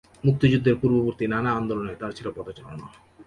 মুক্তিযুদ্ধের পূর্ববর্তী নানা আন্দোলনে তাঁর ছিল পদচারণা।